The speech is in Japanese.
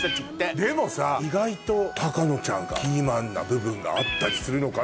でもさ意外と高野ちゃんがキーマンな部分があったりするのかな。